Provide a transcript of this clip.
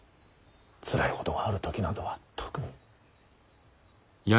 つらいことがある時などは特に。